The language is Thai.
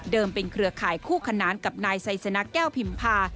เป็นเครือข่ายคู่ขนานกับนายไซสนะแก้วพิมพา